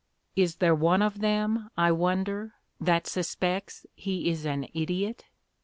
Is there one of them, I wonder, that suspects he is an idiot?